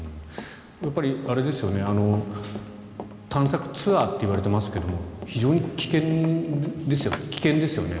やっぱり探索ツアーといわれてますけども非常に危険ですよね。